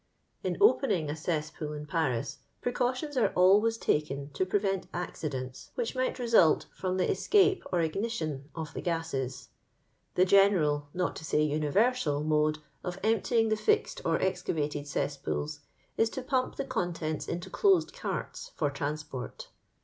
In opening a cesspool in Paris, precautions are always taken to prevent acddents which might result from the escape or ignition of the gases. The general, not to say universal, mode of emptying the fixed or excavated cesspools is to pump the contents into dosed carts for trans port.